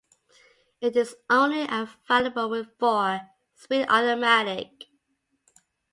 It is only available with four-speed automatic.